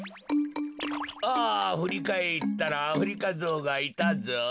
ああふりかえったらアフリカゾウがいたゾウ。